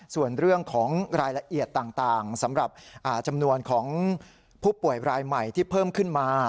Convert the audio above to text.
ส่วนเรื่องของรายละเอียดต่างสำหรับจำนวนของผู้ป่วยรายใหม่ที่เพิ่มขึ้นมา